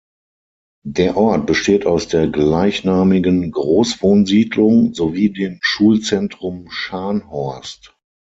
Der Ort besteht aus der gleichnamigen Großwohnsiedlung sowie dem Schulzentrum Scharnhorst.